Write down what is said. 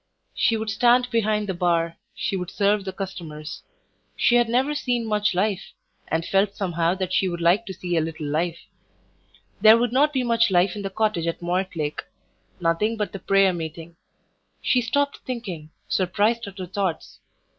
She would stand behind the bar; she would serve the customers. She had never seen much life, and felt somehow that she would like to see a little life; there would not be much life in the cottage at Mortlake; nothing but the prayer meeting. She stopped thinking, surprised at her thoughts.